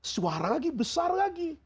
suara lagi besar lagi